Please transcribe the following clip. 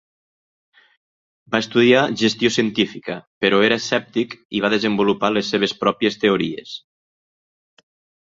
Va estudiar gestió científica, però era escèptic i va desenvolupar les seves pròpies teories.